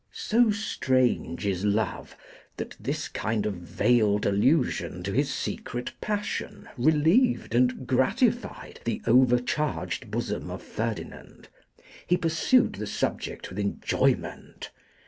So strange is love, that this kind of veiled allusion to his secret passion relieved and gratified the overcharged bosom of Ferdinand. He pursued the subject with enjoyment.